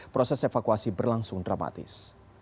proses evakuasi berlangsung dramatis